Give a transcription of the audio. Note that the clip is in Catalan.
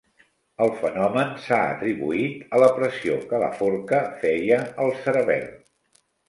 El fenomen s'ha atribuït a la pressió que la forca feia al cerebel.